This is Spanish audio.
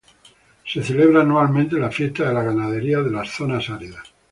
Se celebra anualmente la "Fiesta de la ganadería de las zonas áridas".